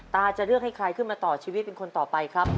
จะเลือกให้ใครขึ้นมาต่อชีวิตเป็นคนต่อไปครับ